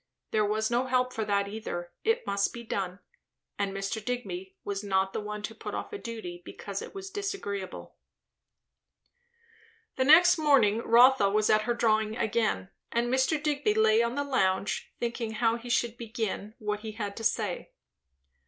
There was no help for that either; it must be done; and Mr. Digby was not one to put off a duty because it was disagreeable. The next morning Rotha was at her drawing again, and Mr. Digby lay on the lounge, thinking how he should begin what he had to say.